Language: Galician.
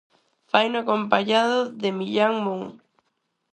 Faino acompañado de Millán Mon.